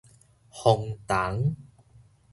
封筒